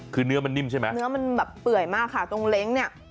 คือเนื้อมันนิ่มใช่ไหมเนื้อมันแบบเปื่อยมากค่ะตรงเล้งเนี่ย